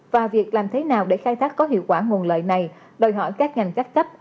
và việc làm thế nào để khai thác có hiệu quả nguồn lợi này đòi hỏi các ngành các cấp